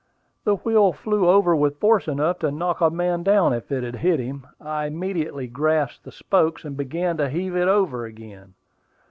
The wheel flew over with force enough to knock a man down if it had hit him. I immediately grasped the spokes, and began to heave it over again.